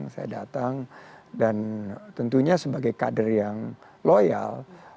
gue datang dan seperti orang yang loyal